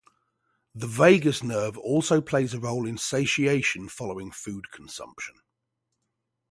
The vagus nerve also plays a role in satiation following food consumption.